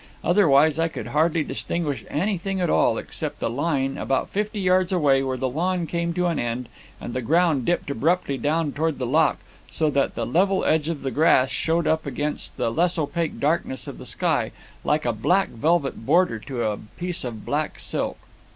Otherwise I could hardly distinguish anything at all, except the line, about fifty yards away, where the lawn came to an end, and the ground dipped abruptly down towards the loch, so that the level edge of the grass showed up against the less opaque darkness of the sky, like a black velvet border to a piece of black silk.